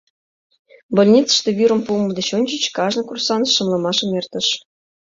Больницыште вӱрым пуымо деч ончыч кажне курсант шымлымашым эртыш.